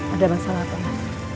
ada masalah apa